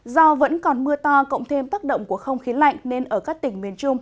do vẫn còn mưa to cộng thêm tác động của không khí lạnh nên ở các tỉnh miền trung